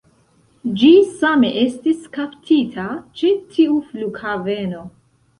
Ĝi same estis kaptita ĉe tiu flughaveno